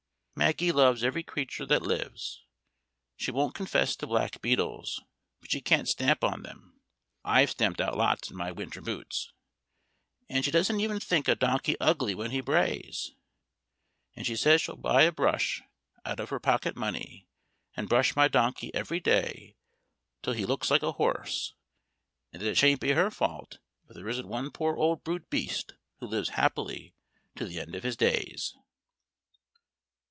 Maggie loves every creature that lives; she won't confess to black beetles, but she can't stamp on them (I've stamped out lots in my winter boots), and she doesn't even think a donkey ugly when he brays; And she says she shall buy a brush, out of her pocket money, and brush my donkey every day till he looks like a horse, and that it shan't be her fault if there isn't one poor old brute beast who lives happily to the end of his days.